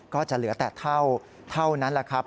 ก็จะเหลือแต่เท่านั้นแหละครับ